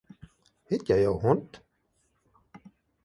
Het jy ’n hond?